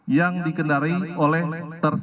yang dikendari oleh rizki dan rizki